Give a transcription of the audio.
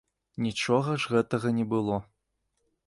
Нічога ж гэтага не было.